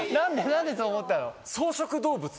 何でそう思ったの？